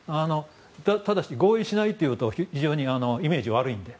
ただし合意しないというと非常にイメージが悪いので。